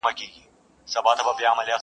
لا زر کلونه زرغونیږي ونه.!